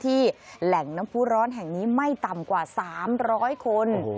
แหล่งน้ำผู้ร้อนแห่งนี้ไม่ต่ำกว่า๓๐๐คน